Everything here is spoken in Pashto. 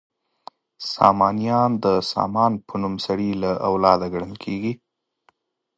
سامانیان د سامان په نوم سړي له اولاده ګڼل کیږي.